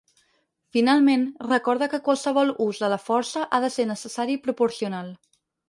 Finalment, recorda que qualsevol ús de la força ha de ser necessari i proporcional.